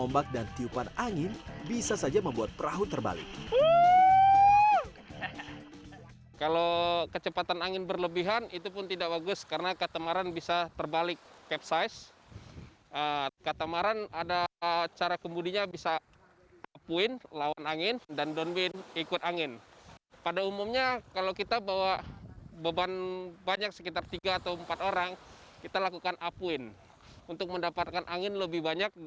bukan dipertandingkan tetapi misal adat istiadat lah